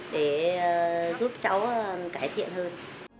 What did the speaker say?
để giúp cháu cải thiện hơn